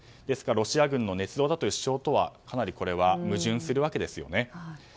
ですから、ロシア軍のねつ造だという主張とはかなり矛盾するわけですよね。